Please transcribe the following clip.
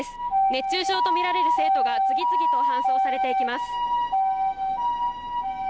熱中症と見られる生徒が次々と搬送されていきます。